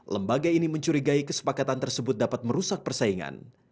lembaga ini mencurigai kesepakatan tersebut dapat merusak persaingan